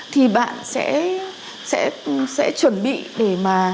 thì bạn sẽ chuẩn bị để mà